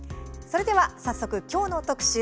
それでは早速、今日の特集